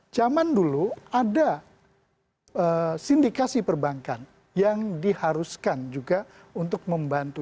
zaman dulu ada sindikasi perbankan yang diharuskan juga untuk membantu